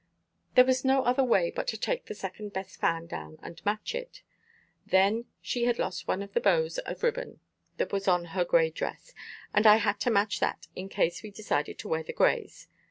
There was no other way but to take the second best fan down and match it. Then she had lost one of the bows of ribbon that was on her gray dress, and I had to match that, in case we decided to wear the grays.